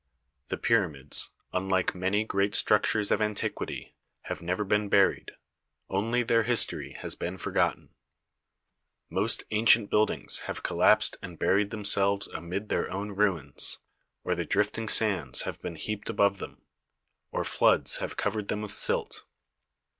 The pyramids, unlike many great structures of antiquity, have never been buried; only their history has been forgotten. Most ancient build ings have collapsed and buried themselves amid their own ruins, or the drifting sands have been 26 THE SEVEN WONDERS heaped above them, or floods have covered them with silt.